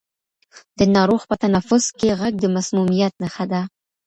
د ناروغ په تنفس کې غږ د مسمومیت نښه ده.